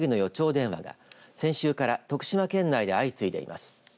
電話が先週から徳島県内で相次いでいます。